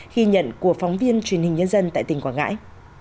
ghi nhận của phóng viên truyền hình nhân dân tại tỉnh quảng ngãi